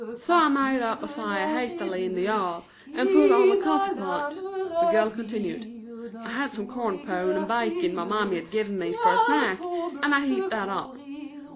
"So I made up a fire hasty in the yard and put on a coffee pot," the girl continued. "I had some corn pone and bacon my mammy had give me fer a snack and I het that up.